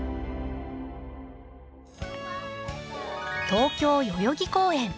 東京代々木公園。